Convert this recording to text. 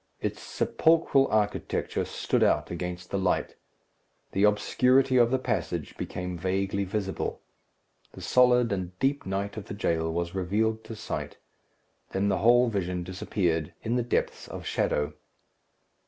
Its sepulchral architecture stood out against the light. The obscurity of the passage became vaguely visible. The solid and deep night of the jail was revealed to sight; then the whole vision disappeared in the depths of shadow.